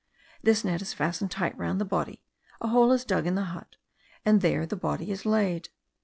This net is fastened tight round the body, a hole is dug in the hut, and there the body is laid.